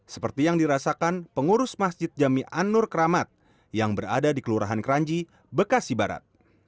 seperti yang dirasakan pengurus masjid jami anur kramat yang berada di kelurahan kranji bekasi barat